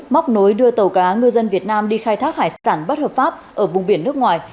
móc nối đưa tàu cá ngư dân việt nam đi khai thác hải sản bất hợp pháp ở vùng biển nước ngoài